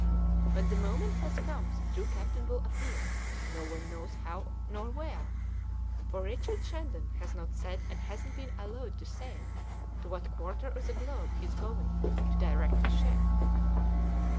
When the moment has come the true captain will appear, no one knows how nor where, for Richard Shandon has not said and hasn't been allowed to say to what quarter of the globe he is going to direct his ship."